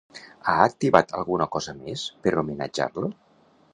Ha activat alguna cosa més, per homenatjar-lo?